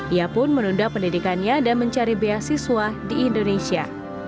ia pun menunda pendidikannya dan mencari beasiswa di indonesia